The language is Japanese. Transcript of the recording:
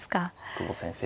久保先生